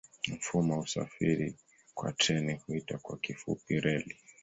Mfumo wa usafiri kwa treni huitwa kwa kifupi reli.